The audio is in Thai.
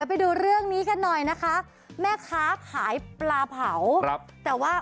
ไปดูเรื่องนี้กันหน่อยนะคะแม่ค้าขายปลาเผาครับแต่ว่า